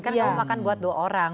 kan kamu makan buat dua orang